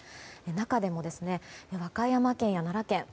中でも和歌山県や奈良県